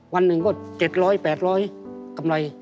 วันนึงก็เจ็ดร้อยแปดร้อยกำไร